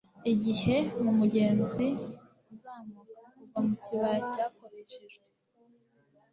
Igihe, mumugenzi uzamuka, kuva mukibaya cyakoreshejwe;